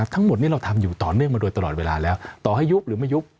ทั้งหมดนี้เราทำอยู่ต่อเนื่องมาโดยตลอดเวลาแล้วต่อให้ยุบหรือไม่ยุบ